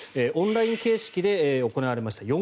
オンライン形式で行われました